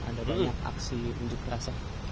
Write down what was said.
akan ada banyak aksi untuk terasa